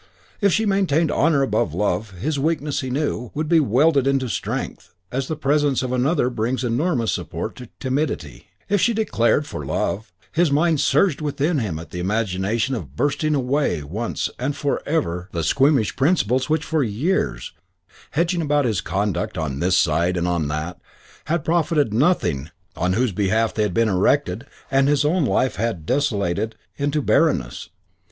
If she maintained honour above love, his weakness, he knew, would be welded into strength, as the presence of another brings enormous support to timidity; if she declared for love, his mind surged within him at the imagination of bursting away once and for ever the squeamish principles which for years, hedging about his conduct on this side and on that, had profited nothing those on whose behalf they had been erected and his own life had desolated into barrenness.